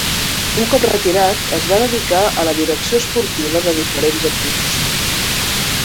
Un cop retirat es va dedicar a la direcció esportiva de diferents equips.